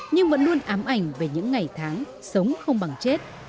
nhưng vẫn luôn ám ảnh về những ngày tháng sống không bằng chết